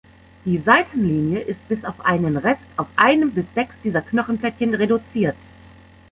Die Seitenlinie ist bis auf einen Rest auf einem bis sechs dieser Knochenplättchen reduziert.